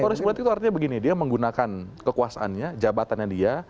poros politik itu artinya begini dia menggunakan kekuasaannya jabatannya dia